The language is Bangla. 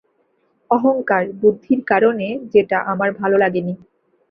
অহংকার, বুদ্ধির কারণে, যেটা আমার ভাল লাগেনি।